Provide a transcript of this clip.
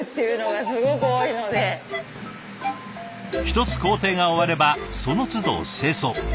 一つ工程が終わればそのつど清掃。